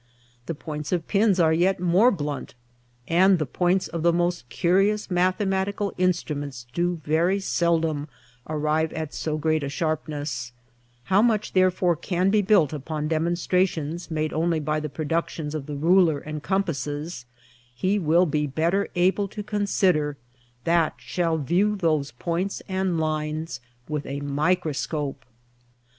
The Points of Pins are yet more blunt, and the Points of the most curious Mathematical Instruments do very seldome arrive at so great a sharpness; how much therefore can be built upon demonstrations made onely by the productions of the Ruler and Compasses, he will be better able to consider that shall but view those points and lines with a Microscope.